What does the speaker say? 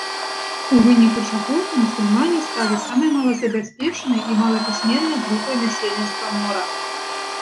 У выніку чаго мусульмане сталі самай малазабяспечанай і малапісьменнай групай насельніцтва мора.